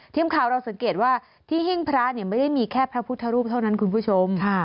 ทีมข่าวเราสังเกตว่าที่หิ้งพระไม่ได้มีแค่พระพุทธรูปเท่านั้นคุณผู้ชม